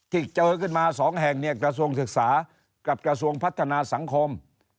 ที่เจอขึ้นมา๒แห่งเนี่ยกระทรวงศึกษากับกระทรวงพัฒนาสังคม